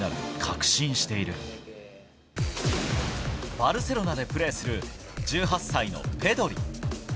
バルセロナでプレーする１８歳のペドリ。